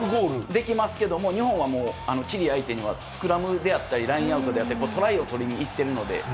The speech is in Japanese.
できますけども、日本はチリ相手には、スクラムであったり、ラインアウトであったり、トライを取りにいっているので。